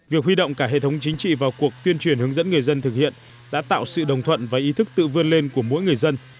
việc huy động cả hệ thống chính trị vào cuộc tuyên truyền hướng dẫn người dân thực hiện đã tạo sự đồng thuận và ý thức tự vươn lên của mỗi người dân